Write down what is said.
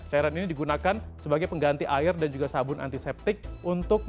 cairan ini digunakan sebagai pengganti air dan juga sabun antiseptik untuk